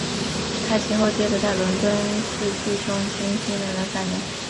他其后接着在伦敦戏剧中心训练了三年。